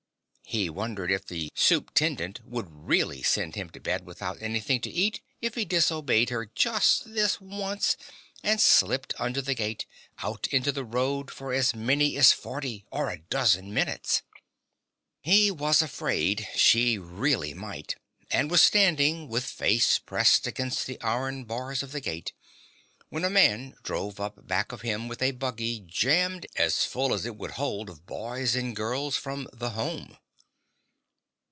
He wondered if the Supe'tendent would really send him to bed without anything to eat if he disobeyed her just this once and slipped under the gate, out into the road for as many as forty or a dozen minutes. He was afraid she really might, and was standing with face pressed against the iron bars of the gate when a man drove up back of him with a buggy jammed as full as it would hold of boys and girls from the Home.